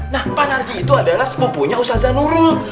nah pak narji itu adalah sepupunya ustadz zanurul